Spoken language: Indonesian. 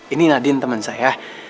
ini nadine temen saya